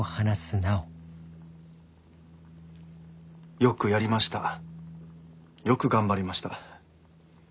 「よくやりましたよく頑張りました」。